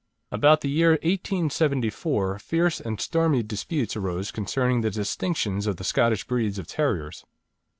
About the year 1874, fierce and stormy disputes arose concerning the distinctions of the Scottish breeds of terriers.